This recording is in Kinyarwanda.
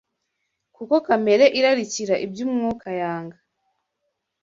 Kuko kamere irarikira ibyo Umwuka yanga